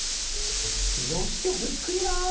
女子力低いな。